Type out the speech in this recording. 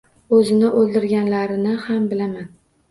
Oʻzini oʻldirganlarni ham bilaman